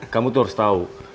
kamu tuh harus tau